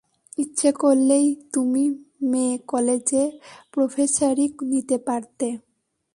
ইচ্ছে করলেই তুমি মেয়ে-কলেজে প্রোফেসারি নিতে পারবে।